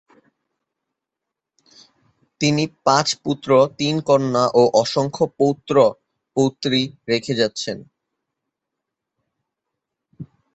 তিনি পাঁচ পুত্র, তিন কন্যা ও অসংখ্য পৌত্র-পুত্রী রেখে গেছেন।